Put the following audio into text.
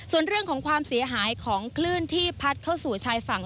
ส่วนเรื่องของความเสียหายของคลื่นที่พัดเข้าสู่ชายฝั่ง